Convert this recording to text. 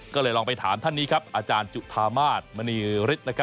ก็เลยลองไปถามท่านนี้ครับอจุธามาฆมณีริฐ